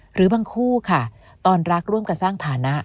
หรือบางคู่ค่ะตอนรักร่วมกันสร้างฐานะ